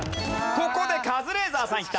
ここでカズレーザーさんいった。